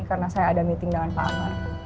karena saya ada meeting dengan pak amar